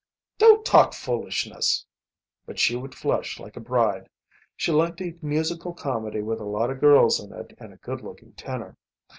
"Don't talk foolishness." But she would flush like a bride. She liked a musical comedy with a lot of girls in it and a good looking tenor.